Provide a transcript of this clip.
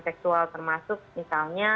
seksual termasuk misalnya